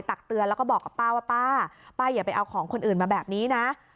ตักเตือนแล้วก็บอกกับป้าว่าป้าป้าอย่าไปเอาของคนอื่นมาแบบนี้นะ